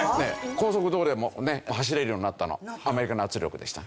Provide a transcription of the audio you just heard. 高速道路でも走れるようになったのはアメリカの圧力でした。